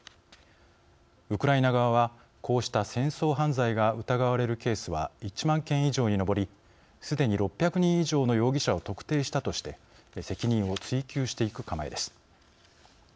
ウクライナ側は、こうした戦争犯罪が疑われるケースは１万件以上に上りすでに６００人以上の容疑者を特定したとして責任を追及していく構えです。